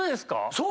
そう。